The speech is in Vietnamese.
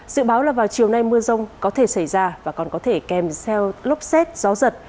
dự báo là vào chiều nay mưa rông có thể xảy ra và còn có thể kèm theo lốc xét gió giật